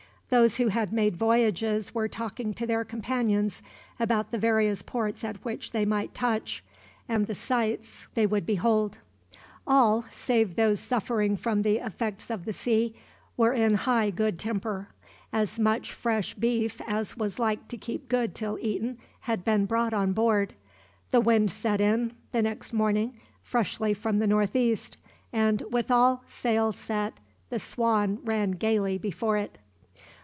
Those who had made voyages were talking to their companions about the various ports at which they might touch, and the sights they would behold. All, save those suffering from the effects of the sea, were in high good temper. As much fresh beef as was like to keep good till eaten had been brought on board. The wind set in, the next morning, freshly from the northeast; and with all sail set, the Swan ran gaily before it.